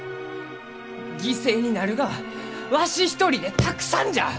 犠牲になるがはわし一人でたくさんじゃ！